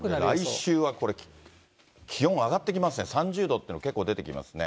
来週はこれ、気温上がってきますね、３０度っていうの、結構出てきますね。